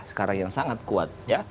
sekarang yang sangat kuat